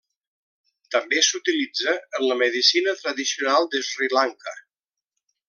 També s'utilitza en la medicina tradicional de Sri Lanka.